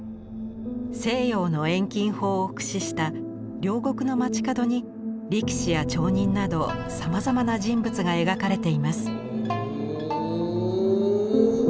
西洋の遠近法を駆使した両国の街角に力士や町人などさまざまな人物が描かれています。